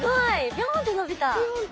ビヨンって伸びた！